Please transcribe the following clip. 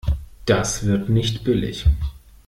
Das wird nicht billig.